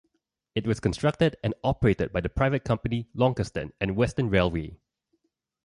It was constructed and operated by the private company, Launceston and Western Railway.